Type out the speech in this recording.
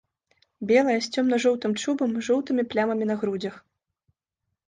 Белая, з цёмна-жоўтым чубам і жоўтымі плямамі на грудзях.